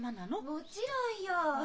もちろんよ！